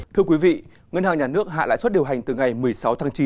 thưa quý vị ngân hàng nhà nước hạ lãi suất điều hành từ ngày một mươi sáu tháng chín